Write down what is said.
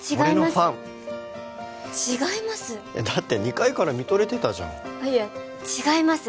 俺のファン違いますだって２階から見とれてたじゃんあっいや違います